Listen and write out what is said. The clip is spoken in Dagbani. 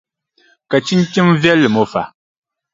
Ka chinchini viɛlli ŋɔ fa?